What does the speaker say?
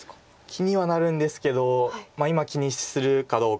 気にはなるんですけど今気にするかどうか。